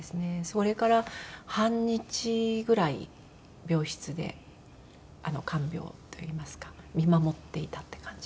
それから半日ぐらい病室で看病といいますか見守っていたって感じです。